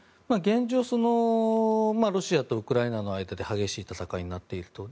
ロシアとウクライナの間で激しい戦いになっていると。